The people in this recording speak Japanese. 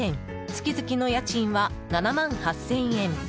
月々の家賃は７万８０００円。